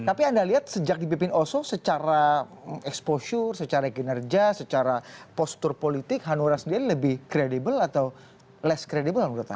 tapi anda lihat sejak dipimpin oso secara exposure secara kinerja secara postur politik hanura sendiri lebih kredibel atau less credibel menurut anda